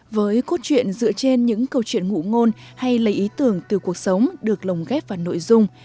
với cốt truyện dựa trên những câu chuyện ngụ ngôn hay lấy ý tưởng từ cuộc sống được lồng ghép vào nội dung